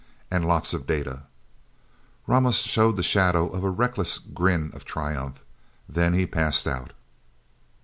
And lots of data..." Ramos showed the shadow of a reckless grin of triumph. Then he passed out.